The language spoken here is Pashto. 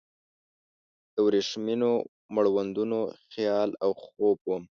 د وریښمینو مړوندونو خیال او خوب وم